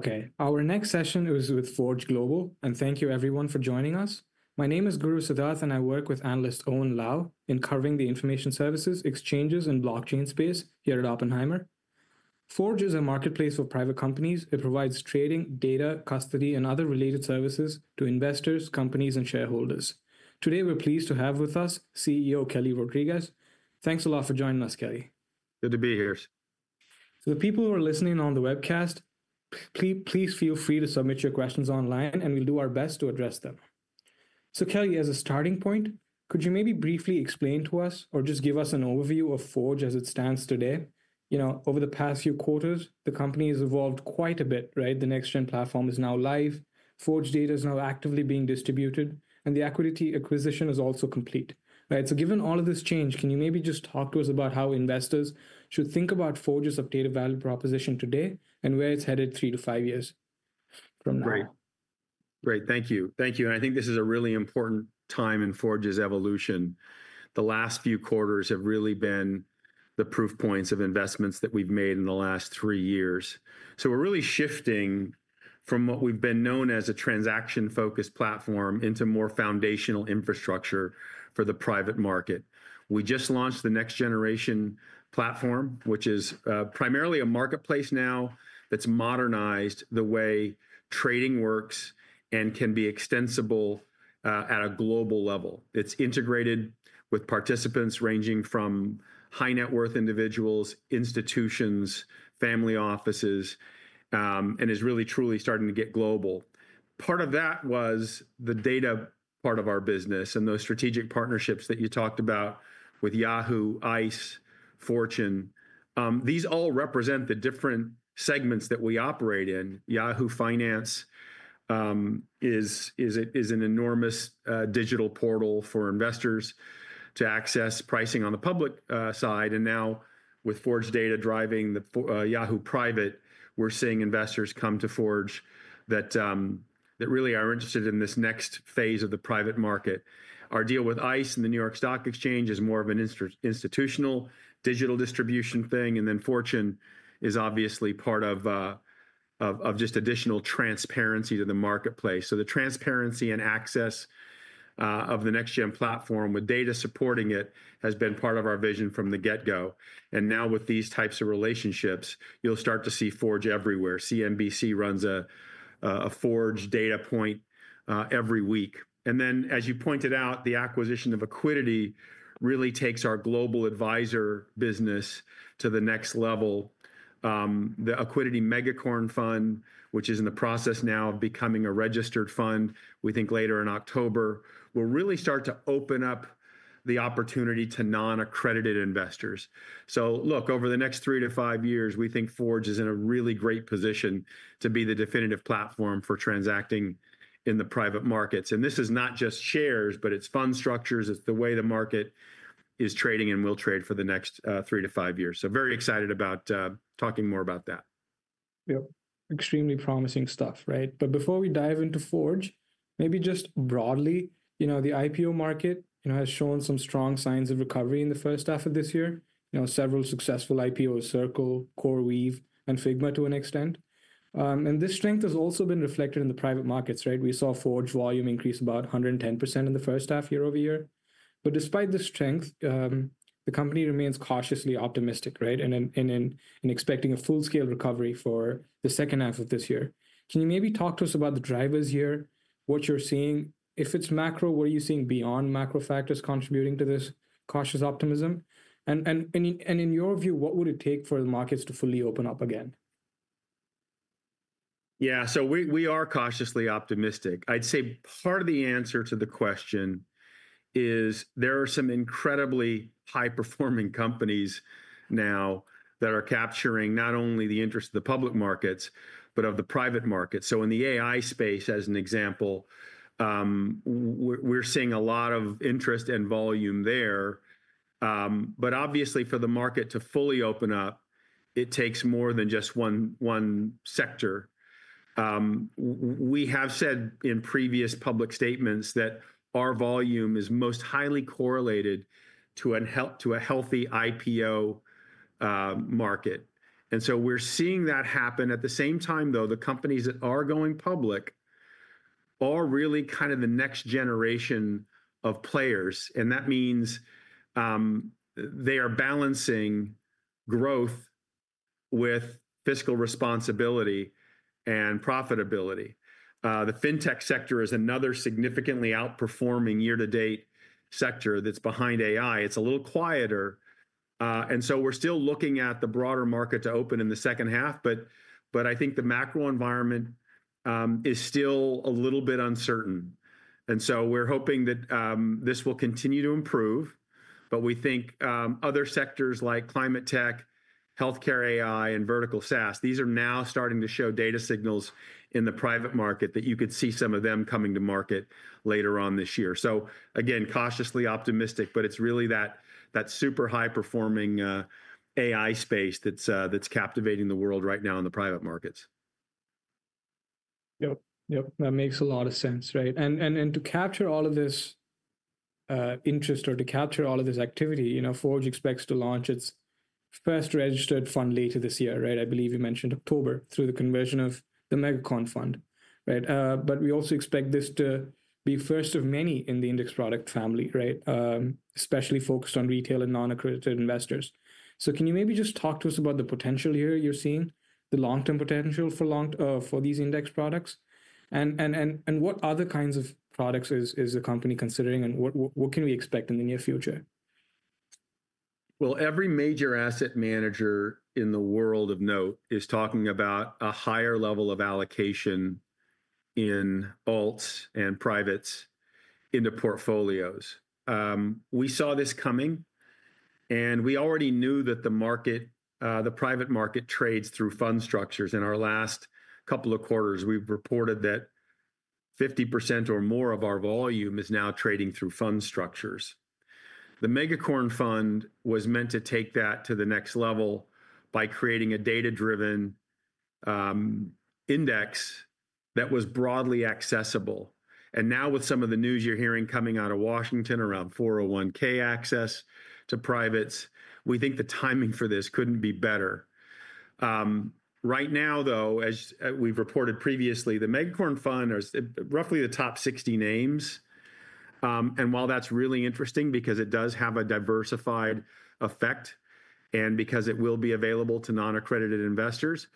Okay, our next session is with Forge Global, and thank you everyone for joining us. My name is Guru Siddharth, and I work with analyst Owen Lau in covering the information services, exchanges, and blockchain space here at Oppenheimer. Forge is a marketplace for private companies, it provides trading, data, custody, and other related services to investors, companies, and shareholders. Today, we're pleased to have with us CEO Kelly Rodriques. Thanks a lot for joining us, Kelly. Good to be here. For the people who are listening on the webcast, please feel free to submit your questions online, and we'll do our best to address them. So, Kelly, as a starting point, could you maybe briefly explain to us or just give us an overview of Forge as it stands today? Over the past few quarters, the company has evolved quite a bit, right? The Forge Next Generation Platform is now live, Forge Data is now actively being distributed, and the Accuidity acquisition is also complete, right? Given all of this change, can you maybe just talk to us about how investors should think about Forge's updated value proposition today and where it's headed 3-5 years from now? Great. Thank you. I think this is a really important time in Forge's evolution. The last few quarters have really been the proof points of investments that we've made in the last three years. We're really shifting from what we've been known as, a transaction-focused platform, into more foundational infrastructure for the private market. We just launched the Forge Next Generation Platform, which is primarily a marketplace now that's modernized the way trading works and can be extensible at a global level. It's integrated with participants ranging from high-net-worth individuals, institutions, family offices, and is really truly starting to get global. Part of that was the data part of our business and those strategic partnerships that you talked about with Yahoo, Intercontinental Exchange, and Fortune. These all represent the different segments that we operate in. Yahoo Finance is an enormous digital portal for investors to access pricing on the public side, and now with Forge Data driving the Yahoo Private, we're seeing investors come to Forge that really are interested in this next phase of the private market. Our deal with Intercontinental Exchange and the New York Stock Exchange is more of an institutional digital distribution thing, and then Fortune Media is obviously part of just additional transparency to the marketplace. The transparency and access of the next-gen platform with data supporting it has been part of our vision from the get-go, and now with these types of relationships, you'll start to see Forge everywhere. CNBC runs a Forge Data Point every week. As you pointed out, the acquisition of Accuidity really takes our Global Advisors business to the next level. The Accuidity Megacorn Fund, which is in the process now of becoming a registered fund, we think later in October, will really start to open up the opportunity to non-accredited investors. Over the next 3-5 years, we think Forge is in a really great position to be the definitive platform for transacting in the private markets. This is not just shares, but it's fund structures, it's the way the market is trading and will trade for the next 3-5 years. Very excited about talking more about that. Yep, extremely promising stuff, right? Before we dive into Forge, maybe just broadly, you know, the IPO market has shown some strong signs of recovery in the first half of this year. You know, several successful IPOs, Circle, CoreWeave, and Figma to an extent. This strength has also been reflected in the private markets, right? We saw Forge volume increase about 110% in the first half year-over-year. Despite this strength, the company remains cautiously optimistic, right? In expecting a full-scale recovery for the second half of this year, can you maybe talk to us about the drivers here, what you're seeing? If it's macro, what are you seeing beyond macro factors contributing to this cautious optimism? In your view, what would it take for the markets to fully open up again? Yeah, so we are cautiously optimistic. I'd say part of the answer to the question is there are some incredibly high-performing companies now that are capturing not only the interest of the public markets, but of the private markets. In the AI space, as an example, we're seeing a lot of interest and volume there. Obviously, for the market to fully open up, it takes more than just one sector. We have said in previous public statements that our volume is most highly correlated to a healthy IPO market. We're seeing that happen. At the same time, the companies that are going public are really kind of the next generation of players, and that means they are balancing growth with fiscal responsibility and profitability. The fintech sector is another significantly outperforming year-to-date sector that's behind AI. It's a little quieter. We're still looking at the broader market to open in the second half, but I think the macro environment is still a little bit uncertain. We're hoping that this will continue to improve, but we think other sectors like climate tech, healthcare AI, and vertical SaaS, these are now starting to show data signals in the private market that you could see some of them coming to market later on this year. Again, cautiously optimistic, but it's really that super high-performing AI space that's captivating the world right now in the private markets. Yep, yep, that makes a lot of sense, right? To capture all of this interest or to capture all of this activity, Forge expects to launch its first registered fund later this year, right? I believe you mentioned October through the conversion of the Megacorn Fund, right? We also expect this to be first of many in the index product family, right? Especially focused on retail and non-accredited investors. Can you maybe just talk to us about the potential here you're seeing, the long-term potential for these index products? What other kinds of products is the company considering and what can we expect in the near future? Every major asset manager in the world of note is talking about a higher level of allocation in alts and privates into portfolios. We saw this coming, and we already knew that the private market trades through fund structures. In our last couple of quarters, we've reported that 50% or more of our volume is now trading through fund structures. The Megacorn Fund was meant to take that to the next level by creating a data-driven index that was broadly accessible. Now with some of the news you're hearing coming out of Washington around 401(k) access to privates, we think the timing for this couldn't be better. Right now, as we've reported previously, the Megacorn Fund is roughly the top 60 names. While that's really interesting because it does have a diversified effect and because it will be available to non-accredited investors,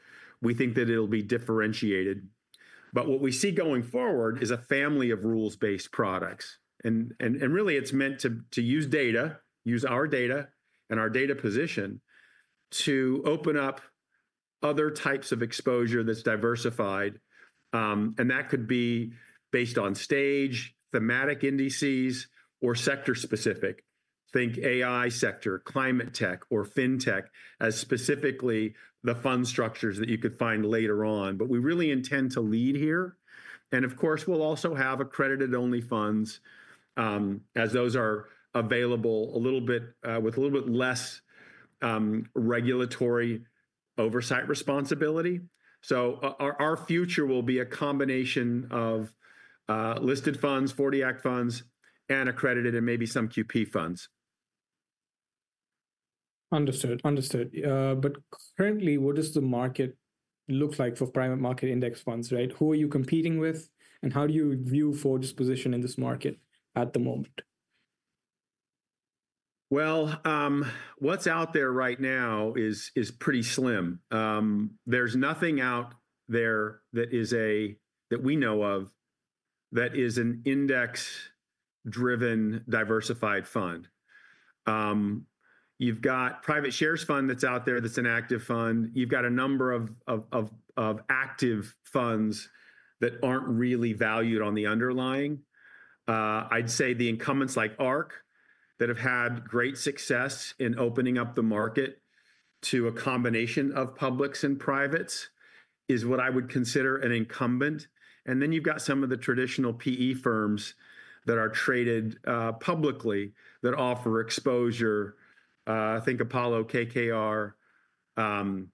we think that it'll be differentiated. What we see going forward is a family of rules-based products. It's meant to use data, use our data and our data position to open up other types of exposure that's diversified. That could be based on stage, thematic indices, or sector-specific. Think AI sector, climate tech, or fintech as specifically the fund structures that you could find later on. We really intend to lead here. Of course, we'll also have accredited-only funds as those are available with a little bit less regulatory oversight responsibility. Our future will be a combination of listed funds, 40 Act funds, and accredited, and maybe some QP funds. Understood, understood. Currently, what does the market look like for private market index funds, right? Who are you competing with, and how do you view Forge's position in this market at the moment? What's out there right now is pretty slim. There's nothing out there that is a, that we know of, that is an index-driven diversified fund. You've got Private Shares Fund that's out there that's an active fund. You've got a number of active funds that aren't really valued on the underlying. I'd say the incumbents like ARC that have had great success in opening up the market to a combination of publics and privates is what I would consider an incumbent. Then you've got some of the traditional PE firms that are traded publicly that offer exposure. I think Apollo, KKR, and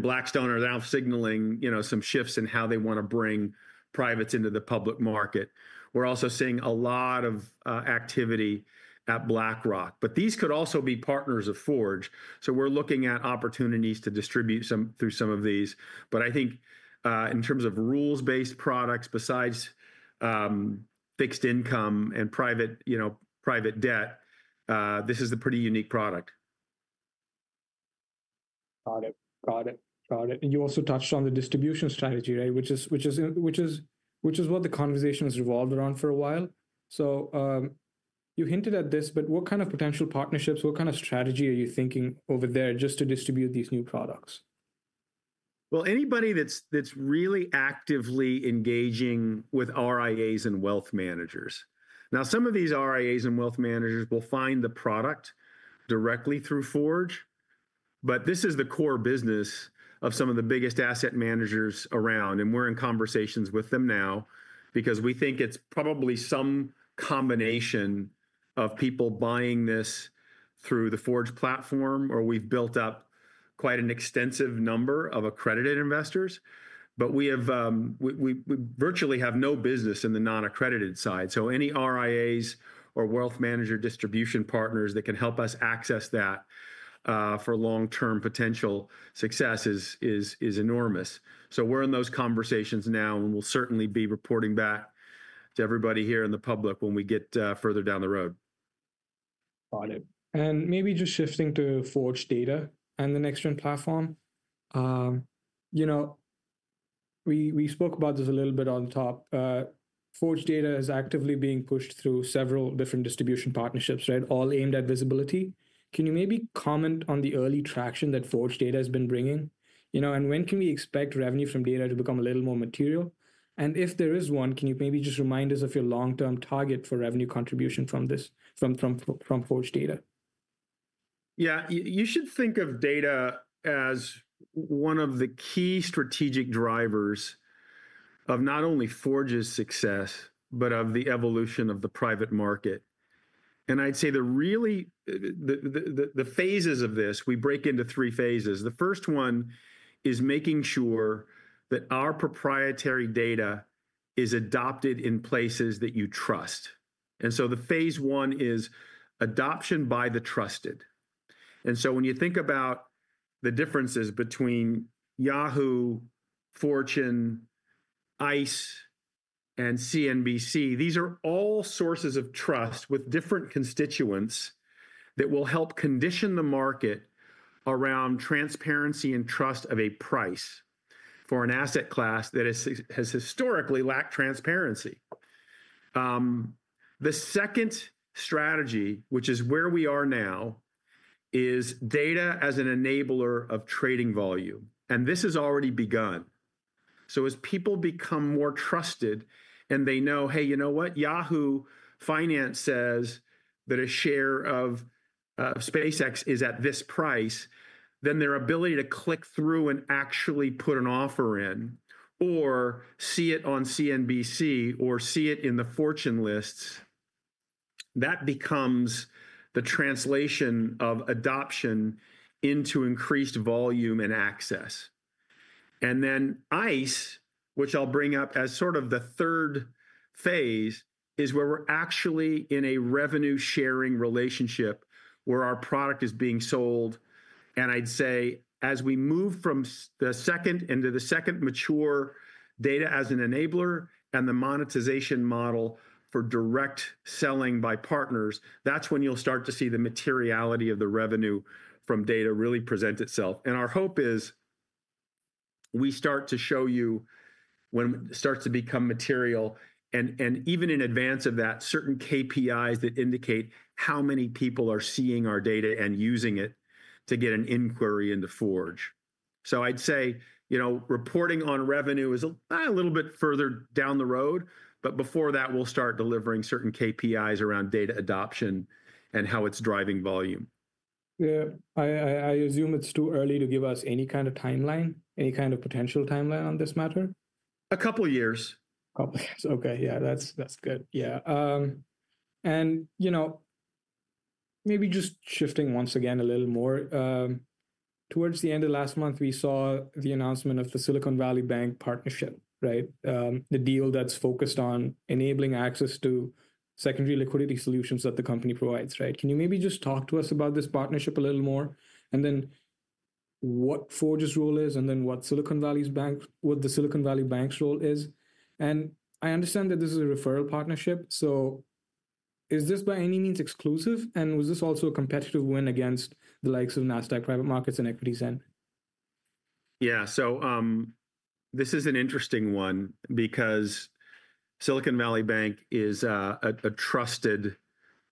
Blackstone are now signaling some shifts in how they want to bring privates into the public market. We're also seeing a lot of activity at BlackRock, but these could also be partners of Forge. We're looking at opportunities to distribute through some of these. But I think in terms of rules-based products besides fixed income and private debt, this is a pretty unique product. Got it, got it, got it. You also touched on the distribution strategy, right? Which is what the conversation has revolved around for a while. You hinted at this, but what kind of potential partnerships, what kind of strategy are you thinking over there just to distribute these new products? Anybody that's really actively engaging with RIAs and wealth managers. Some of these RIAs and wealth managers will find the product directly through Forge, but this is the core business of some of the biggest asset managers around. We're in conversations with them now because we think it's probably some combination of people buying this through the Forge platform, or we've built up quite an extensive number of accredited investors. We virtually have no business in the non-accredited side. Any RIAs or wealth manager distribution partners that can help us access that for long-term potential success is enormous. We're in those conversations now, and we'll certainly be reporting back to everybody here in the public when we get further down the road. Got it. Maybe just shifting to Forge Data and the next-gen platform. We spoke about this a little bit on top. Forge Data is actively being pushed through several different distribution partnerships, right? All aimed at visibility. Can you maybe comment on the early traction that Forge Data has been bringing? When can we expect revenue from data to become a little more material? If there is one, can you maybe just remind us of your long-term target for revenue contribution from Forge Data? Yeah, you should think of data as one of the key strategic drivers of not only Forge's success, but of the evolution of the private market. I'd say really the phases of this, we break into three phases. The first one is making sure that our proprietary data is adopted in places that you trust. The phase one is adoption by the trusted. When you think about the differences between Yahoo, Fortune, ICE, and CNBC, these are all sources of trust with different constituents that will help condition the market around transparency and trust of a price for an asset class that has historically lacked transparency. The second strategy, which is where we are now, is data as an enabler of trading volume. This has already begun. As people become more trusted and they know, hey, you know what, Yahoo Finance says that a share of SpaceX is at this price, then their ability to click through and actually put an offer in or see it on CNBC or see it in the Fortune lists, that becomes the translation of adoption into increased volume and access. And then, ICE, which I'll bring up as sort of the third phase, is where we're actually in a revenue sharing relationship where our product is being sold. I'd say as we move from the second into the second mature data as an enabler and the monetization model for direct selling by partners, that's when you'll start to see the materiality of the revenue from data really present itself. Our hope is we start to show you when it starts to become material, and even in advance of that, certain KPIs that indicate how many people are seeing our data and using it to get an inquiry into Forge. I'd say reporting on revenue is a little bit further down the road, but before that, we'll start delivering certain KPIs around data adoption and how it's driving volume. Yeah, I assume it's too early to give us any kind of timeline, any kind of potential timeline on this matter? A couple of years. Okay, yeah, that's good. Maybe just shifting once again a little more. Towards the end of last month, we saw the announcement of the Silicon Valley Bank partnership, right? The deal that's focused on enabling access to secondary liquidity solutions that the company provides, right? Can you maybe just talk to us about this partnership a little more? What Forge's role is, and what Silicon Valley Bank's role is? I understand that this is a referral partnership. Is this by any means exclusive? Was this also a competitive win against the likes of Nasdaq Private Markets and Equities? Yeah, so this is an interesting one because Silicon Valley Bank is a trusted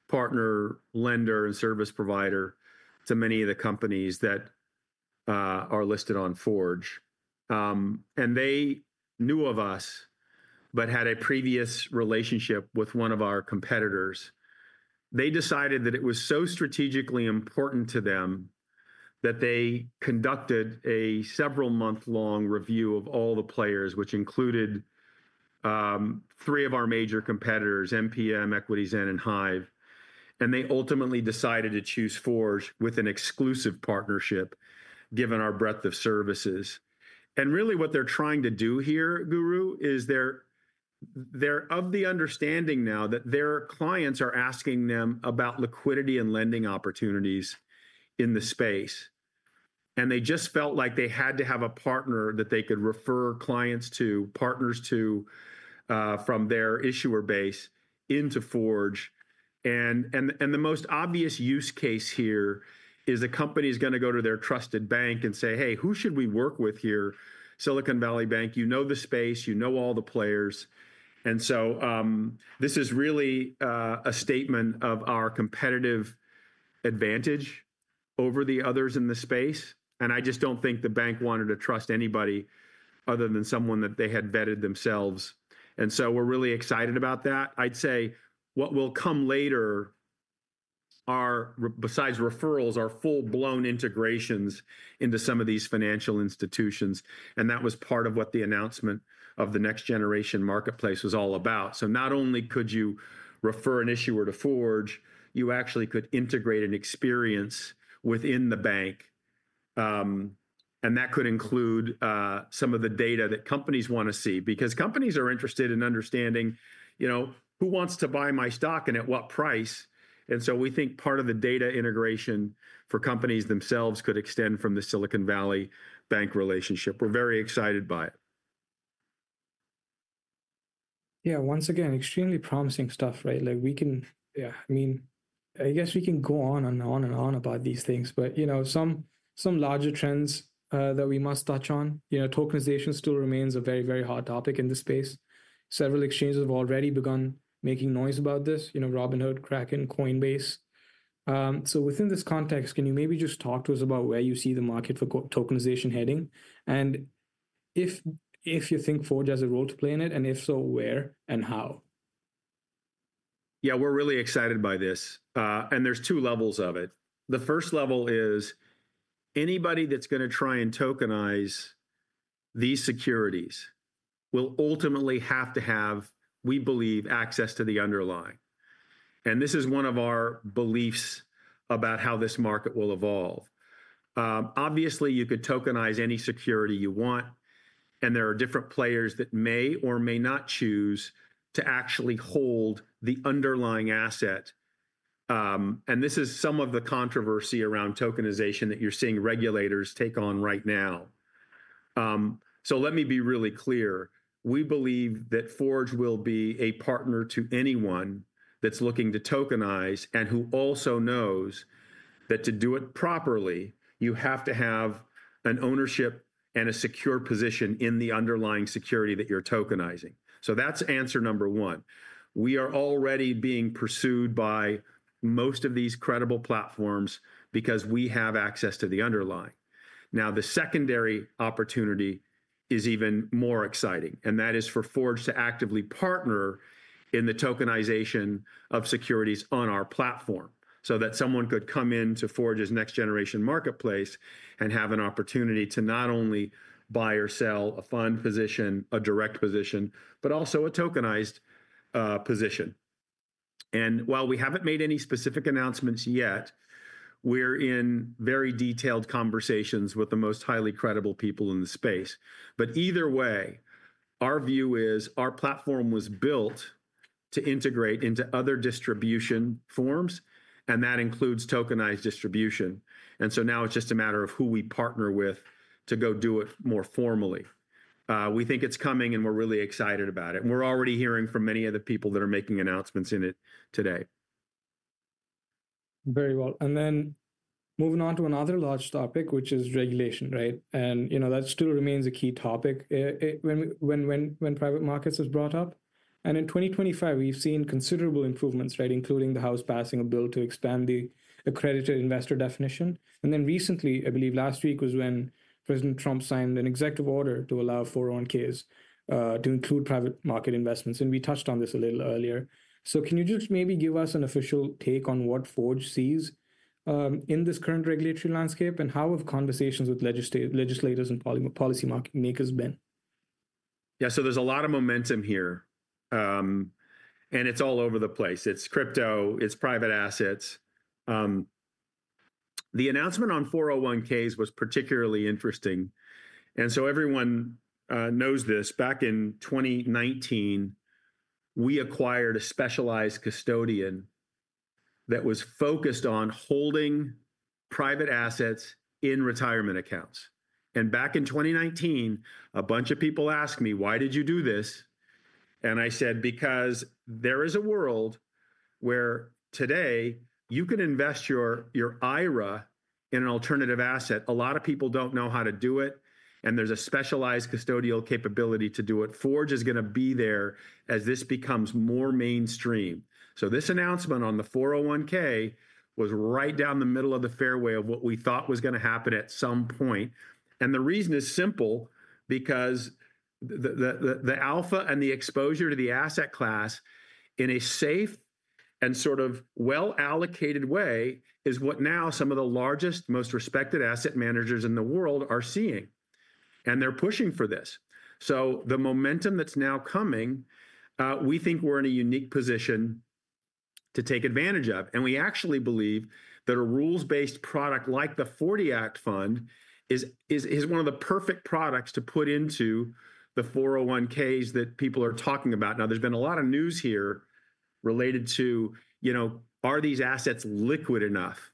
partner, lender, and service provider to many of the companies that are listed on Forge. They knew of us, but had a previous relationship with one of our competitors. They decided that it was so strategically important to them that they conducted a several-month-long review of all the players, which included three of our major competitors, MPM, EquityZen, and Hive. They ultimately decided to choose Forge with an exclusive partnership, given our breadth of services. What they're trying to do here, Guru, is they're of the understanding now that their clients are asking them about liquidity and lending opportunities in the space. They just felt like they had to have a partner that they could refer clients to, partners to from their issuer base into Forge. The most obvious use case here is a company is going to go to their trusted bank and say, "Hey, who should we work with here? Silicon Valley Bank, you know the space, you know all the players." This is really a statement of our competitive advantage over the others in the space. I just don't think the bank wanted to trust anybody other than someone that they had vetted themselves. We're really excited about that. I'd say what will come later are, besides referrals, full-blown integrations into some of these financial institutions. That was part of what the announcement of the next-generation marketplace was all about. Not only could you refer an issuer to Forge, you actually could integrate an experience within the bank. That could include some of the data that companies want to see because companies are interested in understanding, you know, who wants to buy my stock and at what price. We think part of the data integration for companies themselves could extend from the Silicon Valley Bank relationship. We're very excited by it. Yeah, once again, extremely promising stuff, right? We can, yeah, I mean, I guess we can go on and on about these things, but some larger trends that we must touch on, you know, tokenization still remains a very, very hot topic in this space. Several exchanges have already begun making noise about this, you know, Robinhood, Kraken, Coinbase. Within this context, can you maybe just talk to us about where you see the market for tokenization heading? If you think Forge has a role to play in it, and if so, where and how? Yeah, we're really excited by this. There are two levels of it. The first level is anybody that's going to try and tokenize these securities will ultimately have to have, we believe, access to the underlying. This is one of our beliefs about how this market will evolve. Obviously, you could tokenize any security you want. There are different players that may or may not choose to actually hold the underlying asset. This is some of the controversy around tokenization that you're seeing regulators take on right now. Let me be really clear. We believe that Forge will be a partner to anyone that's looking to tokenize and who also knows that to do it properly, you have to have an ownership and a secure position in the underlying security that you're tokenizing. That's answer number one. We are already being pursued by most of these credible platforms because we have access to the underlying. The secondary opportunity is even more exciting. That is for Forge to actively partner in the tokenization of securities on our platform, so that someone could come into Forge's Next Generation marketplace and have an opportunity to not only buy or sell a fund position, a direct position, but also a tokenized position. While we haven't made any specific announcements yet, we're in very detailed conversations with the most highly credible people in the space. Either way, our view is our platform was built to integrate into other distribution forms, and that includes tokenized distribution. Now it's just a matter of who we partner with to go do it more formally. We think it's coming, and we're really excited about it. We're already hearing from many of the people that are making announcements in it today. Very well. Moving on to another large topic, which is regulation, right? You know, that still remains a key topic when private markets is brought up. In 2025, we've seen considerable improvements, right, including the House passing a bill to expand the accredited investor definition. Recently, I believe last week was when President Trump signed an executive order to allow 401(k)s to include private market investments. We touched on this a little earlier. Can you just maybe give us an official take on what Forge sees in this current regulatory landscape and how have conversations with legislators and policy makers been? Yeah, so there's a lot of momentum here, and it's all over the place. It's crypto, it's private assets. The announcement on 401(k)s was particularly interesting. Everyone knows this, back in 2019, we acquired a specialized custodian that was focused on holding private assets in retirement accounts. Back in 2019, a bunch of people asked me, "Why did you do this?" I said, "Because there is a world where today you can invest your IRA in an alternative asset. A lot of people don't know how to do it, and there's a specialized custodial capability to do it. Forge is going to be there as this becomes more mainstream." This announcement on the 401(k) was right down the middle of the fairway of what we thought was going to happen at some point. The reason is simple, because the alpha and the exposure to the asset class in a safe and sort of well-allocated way is what now some of the largest, most respected asset managers in the world are seeing. They're pushing for this. The momentum that's now coming, we think we're in a unique position to take advantage of. We actually believe that a rules-based product like the 40 Act Fund is one of the perfect products to put into the 401(k)s that people are talking about. There's been a lot of news here related to, you know, are these assets liquid enough?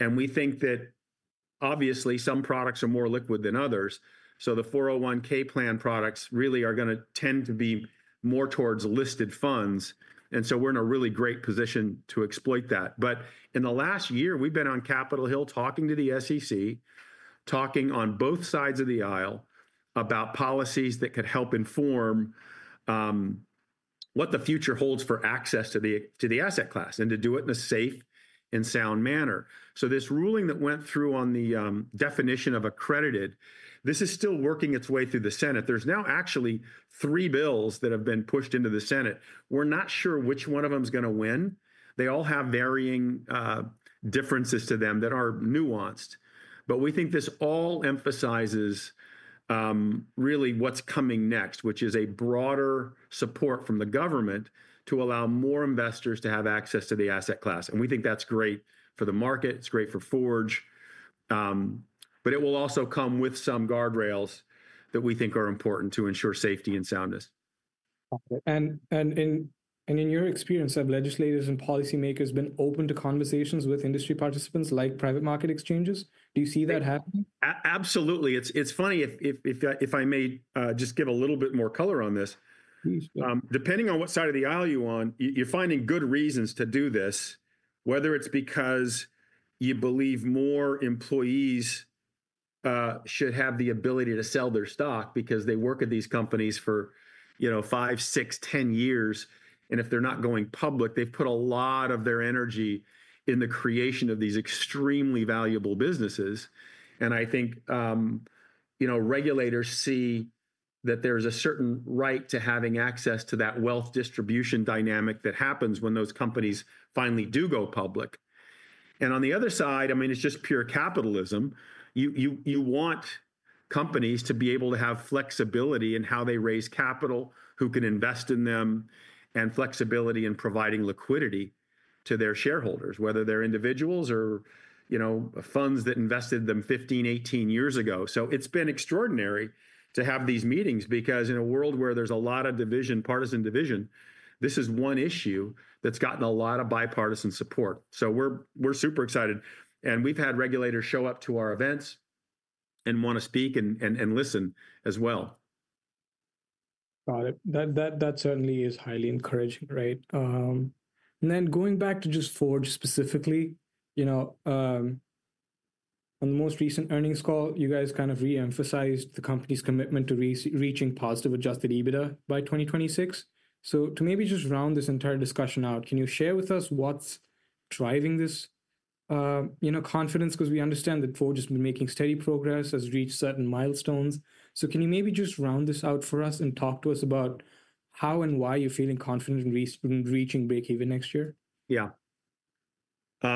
We think that obviously some products are more liquid than others. The 401(k) plan products really are going to tend to be more towards listed funds. We're in a really great position to exploit that. In the last year, we've been on Capitol Hill talking to the SEC, talking on both sides of the aisle about policies that could help inform what the future holds for access to the asset class and to do it in a safe and sound manner. This ruling that went through on the definition of accredited, this is still working its way through the Senate. There are now actually three bills that have been pushed into the Senate. We're not sure which one of them is going to win. They all have varying differences to them that are nuanced. We think this all emphasizes really what's coming next, which is a broader support from the government to allow more investors to have access to the asset class. We think that's great for the market. It's great for Forge. It will also come with some guardrails that we think are important to ensure safety and soundness. In your experience, have legislators and policymakers been open to conversations with industry participants like private market exchanges? Do you see that happening? Absolutely. It's funny, if I may just give a little bit more color on this. Depending on what side of the aisle you're on, you're finding good reasons to do this, whether it's because you believe more employees should have the ability to sell their stock because they work at these companies for, you know, 5-6, 10 years. If they're not going public, they've put a lot of their energy in the creation of these extremely valuable businesses. I think regulators see that there's a certain right to having access to that wealth distribution dynamic that happens when those companies finally do go public. On the other side, it's just pure capitalism. You want companies to be able to have flexibility in how they raise capital, who can invest in them, and flexibility in providing liquidity to their shareholders, whether they're individuals or, you know, funds that invested in them 15, 18 years ago. It's been extraordinary to have these meetings because in a world where there's a lot of division, partisan division, this is one issue that's gotten a lot of bipartisan support. We're super excited. We've had regulators show up to our events and want to speak and listen as well. Got it. That certainly is highly encouraging, right? Going back to just Forge specifically, on the most recent earnings call, you guys kind of reemphasized the company's commitment to reaching positive adjusted EBITDA by 2026. To maybe just round this entire discussion out, can you share with us what's driving this confidence? We understand that Forge has been making steady progress, has reached certain milestones. Can you maybe just round this out for us and talk to us about how and why you're feeling confident in reaching break even next year? Yeah.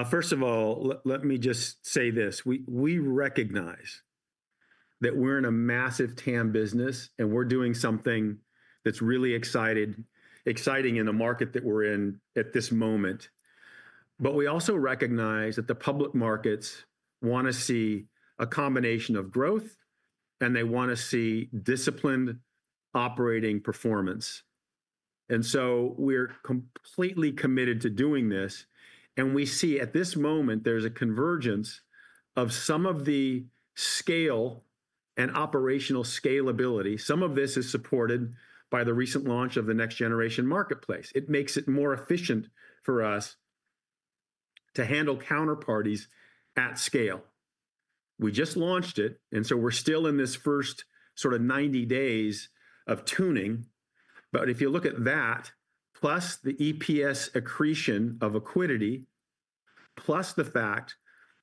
First of all, let me just say this. We recognize that we're in a massive TAM business and we're doing something that's really exciting in the market that we're in at this moment. We also recognize that the public markets want to see a combination of growth and they want to see disciplined operating performance. We're completely committed to doing this. We see at this moment there's a convergence of some of the scale and operational scalability. Some of this is supported by the recent launch of the Forge Next Generation marketplace. It makes it more efficient for us to handle counterparties at scale. We just launched it, and we're still in this first sort of 90 days of tuning. If you look at that, plus the EPS accretion of Accuidity, plus the fact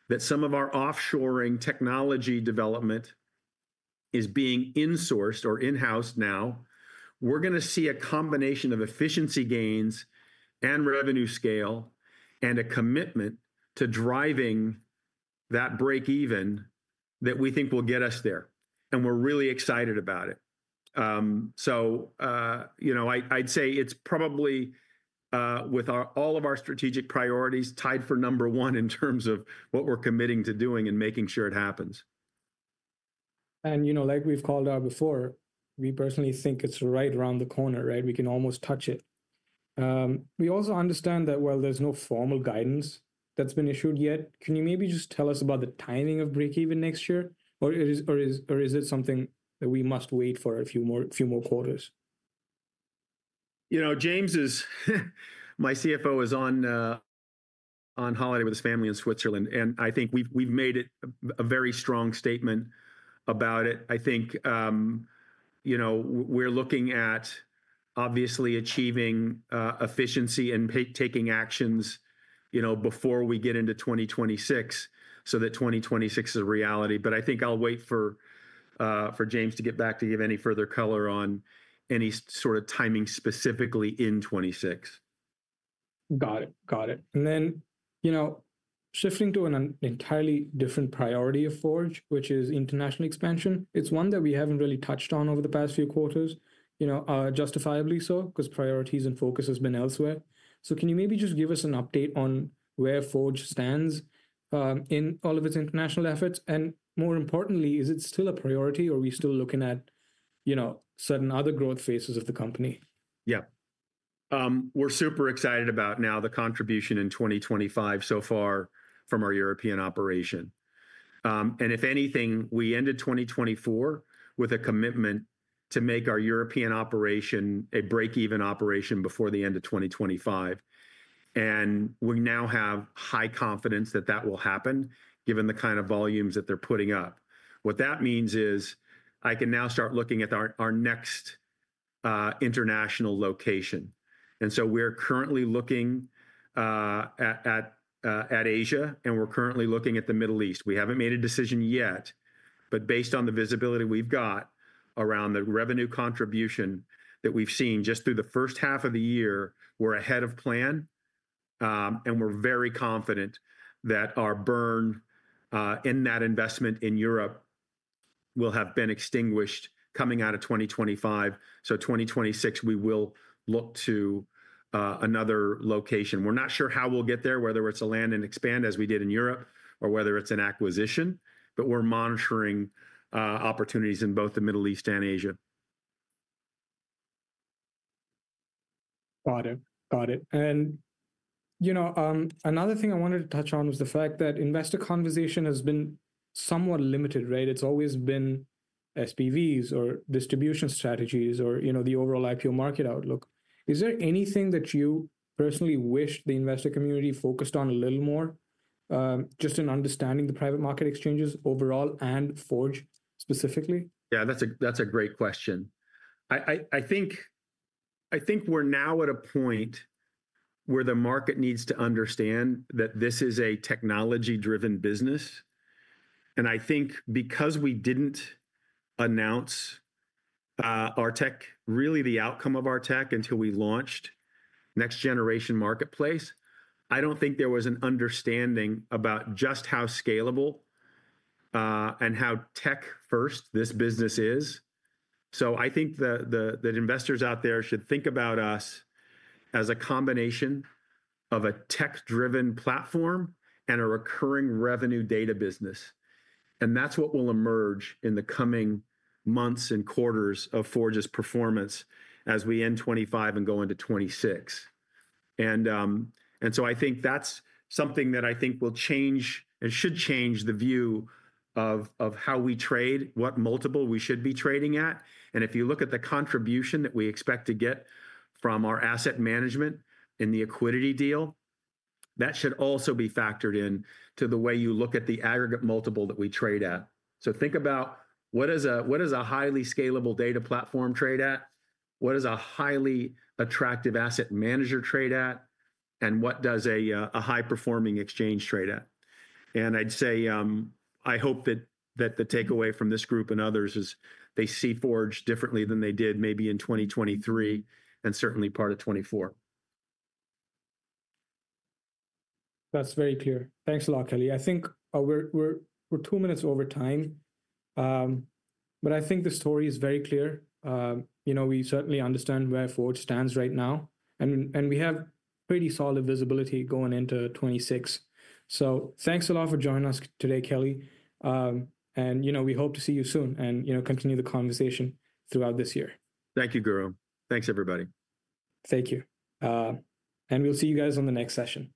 that some of our offshoring technology development is being insourced or in-house now, we're going to see a combination of efficiency gains and revenue scale and a commitment to driving that break even that we think will get us there. We're really excited about it. I'd say it's probably with all of our strategic priorities tied for number one in terms of what we're committing to doing and making sure it happens. As we've called out before, we personally think it's right around the corner, right? We can almost touch it. We also understand there's no formal guidance that's been issued yet. Can you maybe just tell us about the timing of break even next year, or is it something that we must wait for a few more quarters? You know, James Nevin is my CFO, is on holiday with his family in Switzerland, and I think we've made a very strong statement about it. I think we're looking at obviously achieving efficiency and taking actions before we get into 2026 so that 2026 is a reality. I think I'll wait for James to get back to give any further color on any sort of timing specifically in 2026. Got it. Got it. Shifting to an entirely different priority of Forge, which is international expansion. It's one that we haven't really touched on over the past few quarters, justifiably so, because priorities and focus have been elsewhere. Can you maybe just give us an update on where Forge stands in all of its international efforts? More importantly, is it still a priority or are we still looking at certain other growth phases of the company? Yeah. We're super excited about now the contribution in 2025 so far from our European operation. If anything, we ended 2024 with a commitment to make our European operation a break-even operation before the end of 2025. We now have high confidence that that will happen given the kind of volumes that they're putting up. What that means is I can now start looking at our next international location. We're currently looking at Asia, and we're currently looking at the Middle East. We haven't made a decision yet, but based on the visibility we've got around the revenue contribution that we've seen just through the first half of the year, we're ahead of plan, and we're very confident that our burn in that investment in Europe will have been extinguished coming out of 2025. In 2026, we will look to another location. We're not sure how we'll get there, whether it's a land and expand as we did in Europe or whether it's an acquisition, but we're monitoring opportunities in both the Middle East and Asia. Got it. Got it. Another thing I wanted to touch on was the fact that investor conversation has been somewhat limited, right? It's always been SPVs or distribution strategies or the overall IPO market outlook. Is there anything that you personally wish the investor community focused on a little more, just in understanding the private market exchanges overall and Forge specifically? Yeah, that's a great question. I think we're now at a point where the market needs to understand that this is a technology-driven business. I think because we didn't announce our tech, really the outcome of our tech until we launched the Forge Next Generation marketplace, I don't think there was an understanding about just how scalable and how tech-first this business is. I think that investors out there should think about us as a combination of a tech-driven platform and a recurring revenue data business. That's what will emerge in the coming months and quarters of Forge's performance as we end 2025 and go into 2026. I think that's something that I think will change and should change the view of how we trade, what multiple we should be trading at. If you look at the contribution that we expect to get from our asset management in the Accuidity deal, that should also be factored into the way you look at the aggregate multiple that we trade at. Think about what does a highly scalable data platform trade at, what does a highly attractive asset manager trade at, and what does a high-performing exchange trade at. I hope that the takeaway from this group and others is they see Forge differently than they did maybe in 2023 and certainly part of 2024. That's very clear. Thanks a lot, Kelly. I think we're two minutes over time, but I think the story is very clear. We certainly understand where Forge stands right now, and we have pretty solid visibility going into 2026. Thanks a lot for joining us today, Kelly. We hope to see you soon and continue the conversation throughout this year. Thank you, Guru. Thanks, everybody. Thank you. We'll see you guys on the next session.